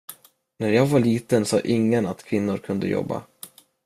När jag var liten sa ingen att kvinnor kunde jobba.